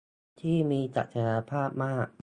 ที่มีศักยภาพมาก